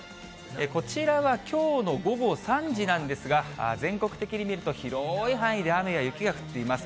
こちらはきょうの午後３時なんですが、全国的に見ると広い範囲で雨や雪が降っています。